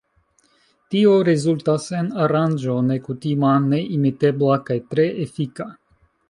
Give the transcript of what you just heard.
Tio rezultas en aranĝo nekutima, neimitebla kaj tre efika.